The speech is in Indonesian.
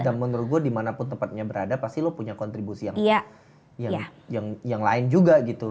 dan menurut gue dimanapun tempatnya berada pasti lo punya kontribusi yang lain juga gitu